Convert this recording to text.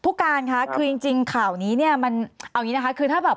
ภูจิกาค่ะคือจริงจริงข่าวนี้เนี่ยมันเอานี้นะคะ